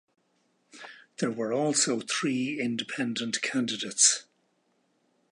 There were also three independent candidates.